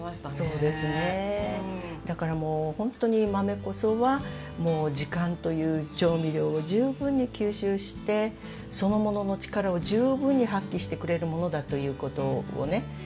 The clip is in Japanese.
だからもうほんとに豆こそはもう時間という調味料を十分に吸収してそのものの力を十分に発揮してくれるものだということをね